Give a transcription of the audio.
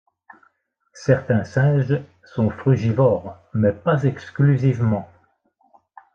Certains singes sont frugivores, mais pas exclusivement.